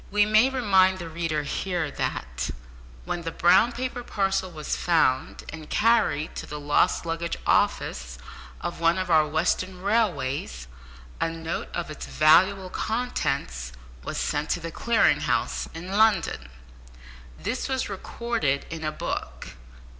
We may remind the reader here that, when the brown paper parcel was found and carried to the lost luggage office of one of our western railways, a note of its valuable contents was sent to the Clearing House in London. This was recorded in a book.